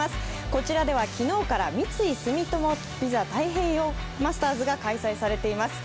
こちらでは昨日から三井住友ＶＩＳＡ太平洋マスターズが開催されています。